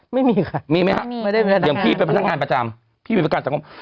ไม่มีค่ะมีไหมฮะเดี๋ยวพี่เป็นพนักงานประจำพี่เป็นพนักงานสังคม